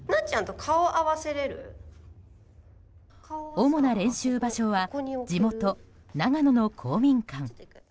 主な練習場所は地元・長野の公民館。